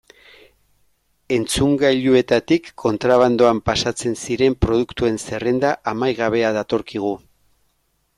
Entzungailuetatik kontrabandoan pasatzen ziren produktuen zerrenda amaigabea datorkigu.